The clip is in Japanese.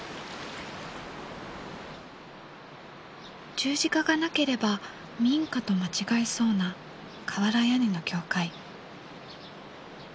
十字架がなければ民家と間違いそうな瓦屋根の教会。